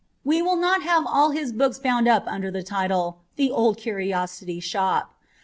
We will not have all his books bound up under the title ' The Old Curiosity Shop.'